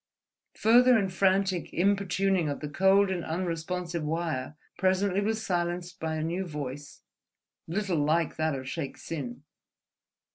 Further and frantic importuning of the cold and unresponsive wire presently was silenced by a new voice, little like that of Shaik Tsin.